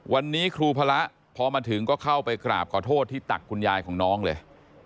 วันนี้ครูพระพอมาถึงก็เข้าไปกราบขอโทษที่ตักคุณยายของน้องเลย